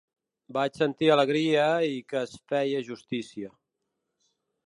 Vaig sentir alegria i que es feia justícia.